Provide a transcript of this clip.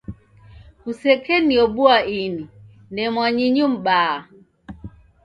Kusekeniobua ini ne mwanyinyu mbaa.